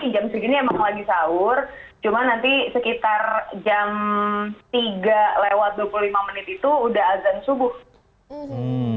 jam segini emang lagi sahur cuma nanti sekitar jam tiga lewat dua puluh lima menit itu udah azan subuh